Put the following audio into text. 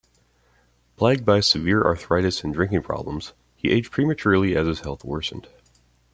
Plagued by severe arthritis and drinking problems, he aged prematurely as his health worsened.